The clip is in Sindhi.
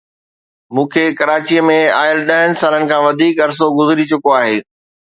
مون کي ڪراچيءَ ۾ آيل ڏهن سالن کان وڌيڪ عرصو گذري چڪو آهي